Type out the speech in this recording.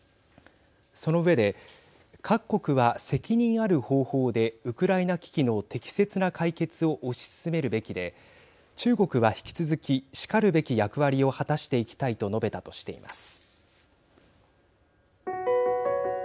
その上で各国は、責任ある方法でウクライナ危機の適切な解決を推し進めるべきで中国は引き続きしかるべき役割を果たしていきたいと述べたとしています。